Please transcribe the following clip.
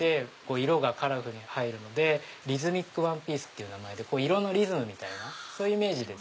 色がカラフルに入るんでリズミックワンピース。色のリズムみたいなイメージで。